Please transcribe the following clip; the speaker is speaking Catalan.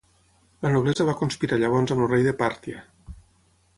La noblesa va conspirar llavors amb el rei de Pàrtia.